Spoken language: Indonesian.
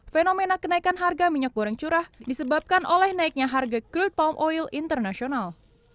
fenomena kenaikan harga minyak goreng curah disebabkan oleh naiknya harga crude palm oil internasional